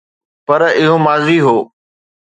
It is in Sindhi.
پر اهو ماضي هو.